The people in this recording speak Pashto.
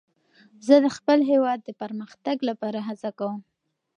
زه د خپل هېواد د پرمختګ لپاره هڅه کوم.